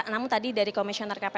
namun tadi dari komisioner kpk